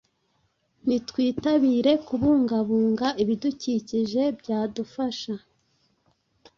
nitwitabire kubungabunga Ibidukikije byadufasha